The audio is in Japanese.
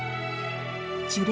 樹齢